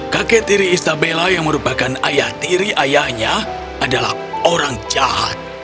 kakek tiri istabella yang merupakan ayah tiri ayahnya adalah orang jahat